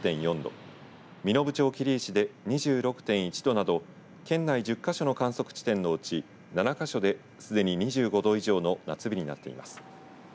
身延町切石で２６．１度など県内１０か所の観測地点のうち７か所で、すでに２５度以上の夏日になっています。